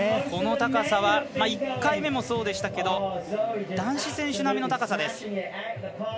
この高さは１回目もそうでしたが男子選手並みの高さです。